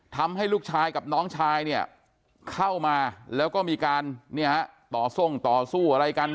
ทำให้ลูกชายกับน้องชายเนี่ยเข้ามาแล้วก็มีการต่อทรงต่อสู้อะไรกัน